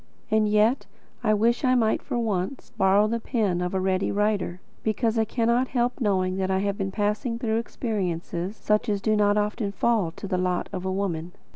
And yet I wish I might, for once, borrow the pen of a ready writer; because I cannot help knowing that I have been passing through experiences such as do not often fall to the lot of a woman.